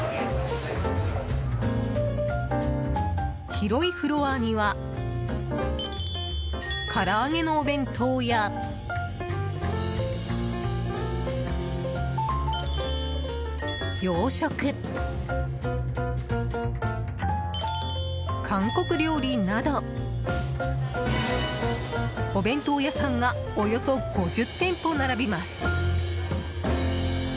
広いフロアには唐揚げのお弁当や洋食、韓国料理などお弁当屋さんがおよそ５０店舗並びます。